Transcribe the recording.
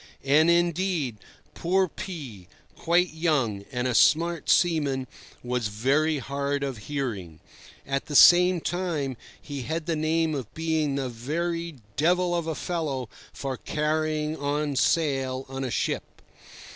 And, indeed, poor P—, quite young, and a smart seaman, was very hard of hearing. At the same time, he had the name of being the very devil of a fellow for carrying on sail on a ship.